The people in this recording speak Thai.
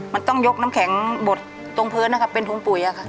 มันต้องยกน้ำแข็งบดตรงพื้นเป็นถุงปุ๋ย